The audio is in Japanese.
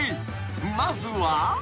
［まずは］